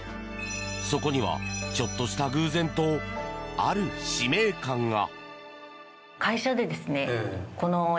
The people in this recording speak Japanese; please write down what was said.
そこには、ちょっとした偶然とある使命感が。